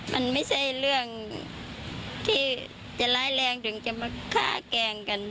มันไม่ใช่เรื่องที่จะร้ายแรงถึงจะมาฆ่าแกล้งกัน